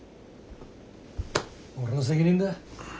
俺の責任だ。